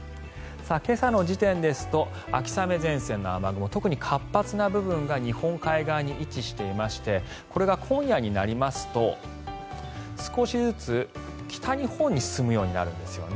今朝の時点ですと秋雨前線の雨雲特に活発な部分が日本海側に位置していましてこれが今夜になりますと少しずつ北日本に進むようになるんですね。